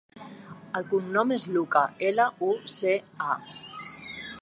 El cognom és Luca: ela, u, ce, a.